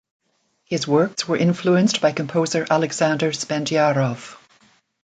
His works were influenced by composer Alexander Spendiarov.